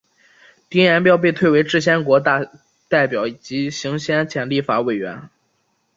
丁廷标被推为制宪国大代表及行宪前立法委员。